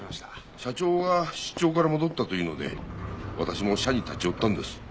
社長が出張から戻ったというので私も社に立ち寄ったんです。